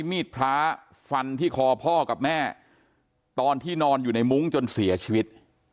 มีดพระฟันที่คอพ่อกับแม่ตอนที่นอนอยู่ในมุ้งจนเสียชีวิต